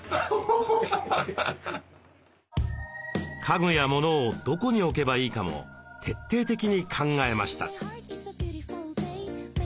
家具やモノをどこに置けばいいかも徹底的に考えました。